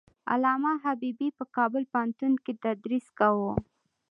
علامه حبيبي په کابل پوهنتون کې تدریس کاوه.